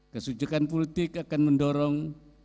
kesujukan politik akan mendorong